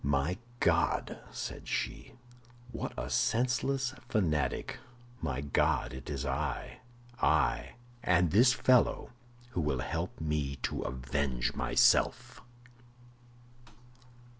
"My God," said she, "what a senseless fanatic! My God, it is I—I—and this fellow who will help me to avenge myself."